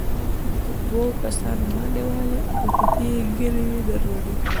دوو کسانو منډې وهلې، اوږدې ږېرې يې درلودې،